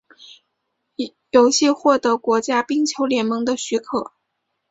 游戏获得国家冰球联盟的许可。